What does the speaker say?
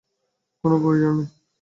কোনো প্রয়োজন নেই।